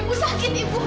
aku sakit ibu